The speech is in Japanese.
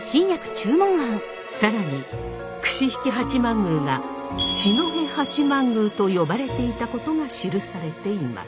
更に櫛引八幡宮が四戸八幡宮と呼ばれていたことが記されています。